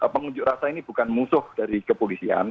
pengunjuk rasa ini bukan musuh dari kepolisian